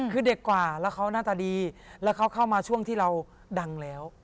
คือเด็กกว่าแล้วเขาหน้าตาดีแล้วเขาเข้ามาช่วงที่เราดังแล้ว